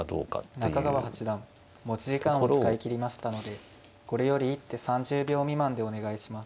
中川八段持ち時間を使い切りましたのでこれより一手３０秒未満でお願いします。